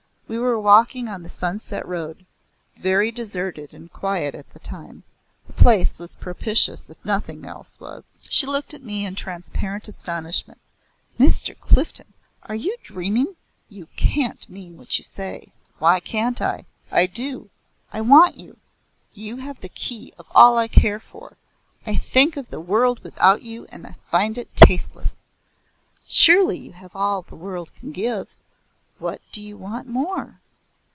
We were walking on the sunset road very deserted and quiet at the time. The place was propitious if nothing else was. She looked at me in transparent astonishment; "Mr. Clifden, are you dreaming? You can't mean what you say." "Why can't I? I do. I want you. You have the key of all I care for. I think of the world without you and find it tasteless." "Surely you have all the world can give? What do you want more?"